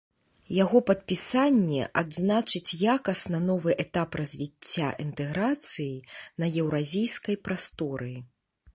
Яго падпісанне адзначыць якасна новы этап развіцця інтэграцыі на еўразійскай прасторы.